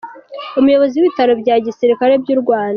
Umuyobozi w’Ibitaro bya Gisirikare by’u Rwanda Col.